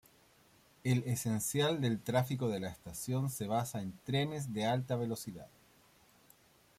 El esencial del tráfico de la estación se basa en trenes de alta velocidad.